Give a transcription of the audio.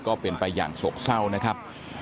ก็เป็นไปอย่างโศกเศร้านะครับ